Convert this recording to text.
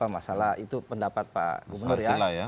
masalah itu pendapat pak gubernur ya